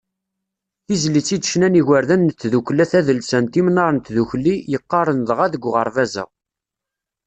Tizlit i d-ccnan yigerdan n tdukkla tadelsant Imnar n Tdukli, yeqqaren dɣa deg uɣerbaz-a.